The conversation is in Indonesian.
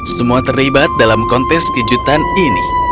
semua terlibat dalam kontes kejutan ini